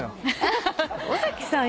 尾崎さん